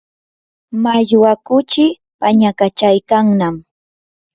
mallwa kuchii pañakachaykannam